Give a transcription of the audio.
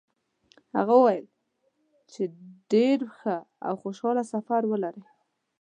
هغه وایي چې ډېر ښه او خوشحاله سفر ولرئ.